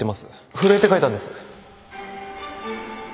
震えて書いたんです